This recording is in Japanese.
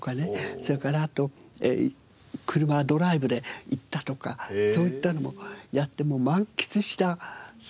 それからあと車ドライブで行ったとかそういったのもやってもう満喫した３年間。